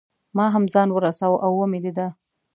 ما هم ځان ورساوه او مې لیده.